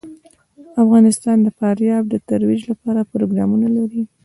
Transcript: افغانستان د فاریاب د ترویج لپاره پروګرامونه لري.